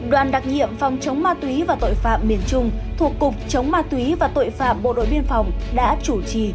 đoàn đặc nhiệm phòng chống ma túy và tội phạm miền trung thuộc cục chống ma túy và tội phạm bộ đội biên phòng đã chủ trì